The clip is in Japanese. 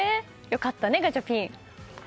良かったね、ガチャピン。